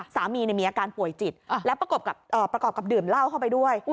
สามีมีอาการป่วยจิตและประกอบกับดื่มเหล้าเข้าไปด้วย